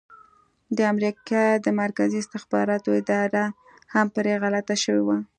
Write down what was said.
د امریکا د مرکزي استخباراتو اداره هم پرې غلطه شوې وه.